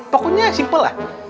pokoknya simpel lah